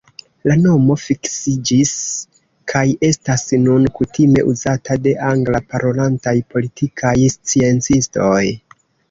La nomo fiksiĝis kaj estas nun kutime uzata de angla-parolantaj politikaj sciencistoj.